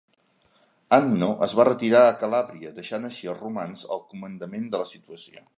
Hanno es va retirar a Calàbria, deixant així als romans al comandament de la situació.